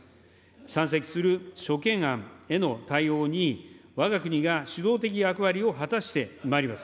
山積する諸懸案への対応に、わが国が主導的役割を果たしてまいります。